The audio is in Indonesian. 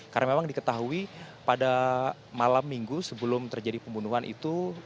karena memang diketahui pada malam minggu sebelum terjadi pembunuhan itu